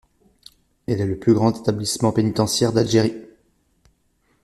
Elle est le plus grand établissement pénitentiaire d'Algérie.